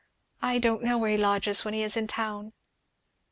"I don't know where he lodges when he is in town."